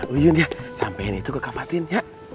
uyun ya sampein itu ke kak fatin ya